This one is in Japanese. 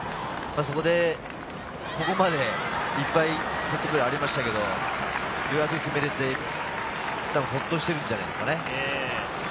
そこでここまでいっぱいセットプレーがありましたけど、ようやく決めれて、ほっとしているんじゃないですかね。